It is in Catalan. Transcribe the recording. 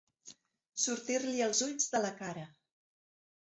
Sortir-li els ulls de la cara.